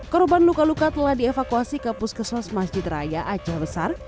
korban luka luka telah dievakuasi ke puskesmas masjid raya aceh besar